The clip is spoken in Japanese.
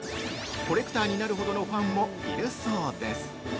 コレクターになるほどのファンもいるそうです。